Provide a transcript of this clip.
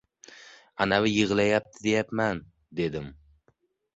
Anavi yig‘layapti deyapman! — dedim.